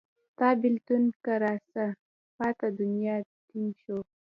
ستا بیلتون کې راڅه پاته دنیا دین شو